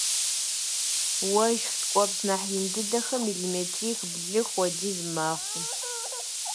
Уэшх ткӏуэпс нэхъ ин дыдэхэр миллиметрих-блы хуэдиз мэхъу.